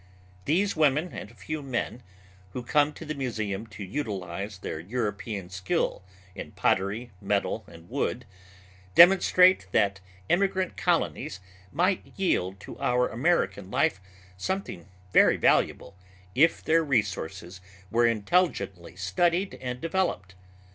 These women and a few men, who come to the museum to utilize their European skill in pottery, metal, and wood, demonstrate that immigrant colonies might yield to our American life something very valuable, if their resources were intelligently studied and developed.